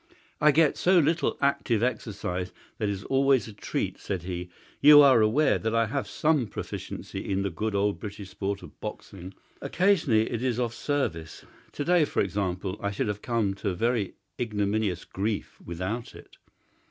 "I get so little active exercise that it is always a treat," said he. "You are aware that I have some proficiency in the good old British sport of boxing. Occasionally it is of service. To day, for example, I should have come to very ignominious grief without it."